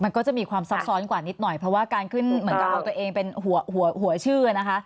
มันก็จะมีความซับซ้อนกว่านิดหน่อยเพราะว่าการขึ้นเหมือนกับเอาตัวเองเป็นหัวชื่อนะคะ